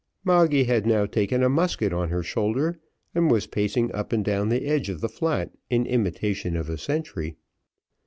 Moggy had now taken a musket on her shoulder, and was pacing up and down the edge of the flat in imitation of a sentry.